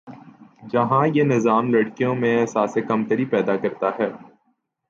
جہاں یہ نظام لڑکیوں میں احساسِ کمتری پیدا کرتا ہے